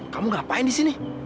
kamu ngapain di sini